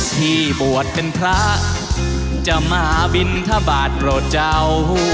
ที่บวชเป็นพระจะมาบินทบาทโปรดเจ้า